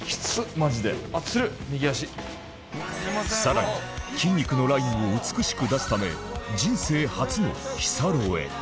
更に筋肉のラインを美しく出すため人生初の日サロへ